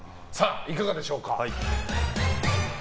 いかがでしょうか。